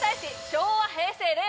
昭和平成令和